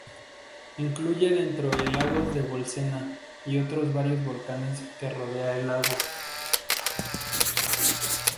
Incluye dentro el lago de Bolsena, y otros varios volcanes que rodea el lago.